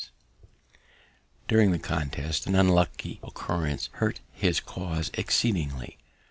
Smyth. During the contest an unlucky occurrence hurt his cause exceedingly.